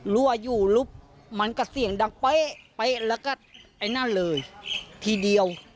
รั่วอยู่ลุบมันก็เสียงดังเป๊ะแล้วก็ไอ้นั่นเลยทีเดียว